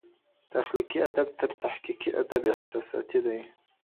تخلیقي ادب تر تحقیقي ادب احساساتي دئ.